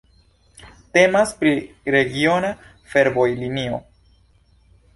Temas pri regiona fervojlinio.